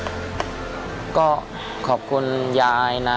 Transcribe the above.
นอกจากนักเตะรุ่นใหม่จะเข้ามาเป็นตัวขับเคลื่อนทีมชาติไทยชุดนี้แล้ว